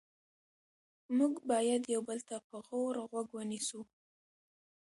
موږ باید یو بل ته په غور غوږ ونیسو